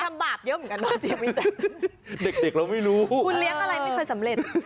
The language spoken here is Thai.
คุณทำบาปเยอะเหมือนกันนะจีหะมีแต่คุณเลี้ยงอะไรไม่ค่อยสำเร็จ